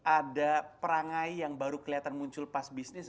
ada perangai yang baru kelihatan muncul pas bisnis